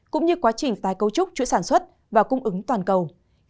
cũng như quá trình tái cấu trúc chuỗi sản xuất và cung ứng toàn cầu